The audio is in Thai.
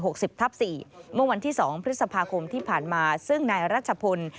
สิบทับสี่เมื่อวันที่สองพฤษภาคมที่ผ่านมาซึ่งนายรัชพล